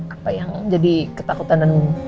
apa yang jadi ketakutan dan